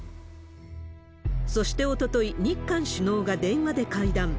そしておととい、日韓首脳が電話で会談。